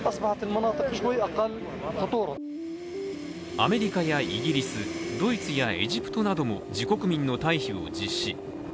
アメリカやイギリス、ドイツやエジプトなども自国民の退避を実施。